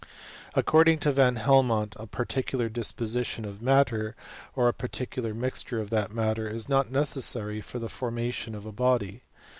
According to Van Helmont, a particular disposition of matter, or a particular mixture of that matter is not necessary for the formation of a body.